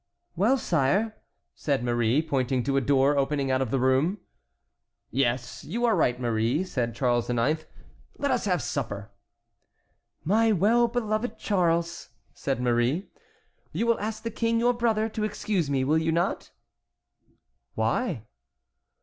"Well, sire," said Marie, pointing to a door opening out of the room. "Yes, you are right, Marie," said Charles IX., "let us have supper." "My well beloved Charles," said Marie, "you will ask the king your brother to excuse me, will you not?" "Why?"